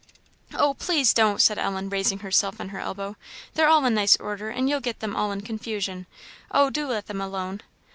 "Oh, please don't!" said Ellen, raising herself on her elbow, "they're all in nice order, and you'll get them all in confusion. Oh, do let them alone!"